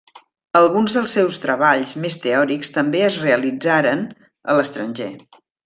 Alguns dels seus treballs més teòrics també es realitzaren a l'estranger.